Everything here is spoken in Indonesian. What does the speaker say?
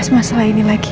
uduh kamu lagi bebas lagi